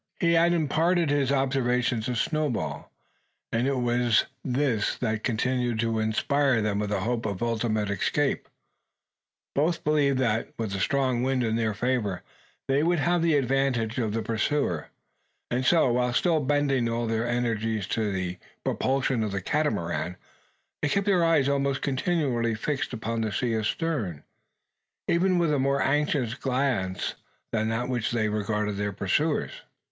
He had imparted his observation to Snowball, and it was this that continued to inspire them with a hope of ultimate escape. Both believed that, with a strong wind in their favour, they would have the advantage of the pursuer; and so, while still bending all their energies to the propulsion of the Catamaran, they kept their eyes almost continually fixed upon the sea astern, even with a more anxious glance than that with which they regarded their pursuers.